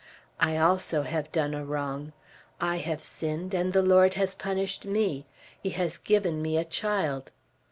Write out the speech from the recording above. I also have done a wrong; I have sinned, and the Lord has punished me. He has given me a child.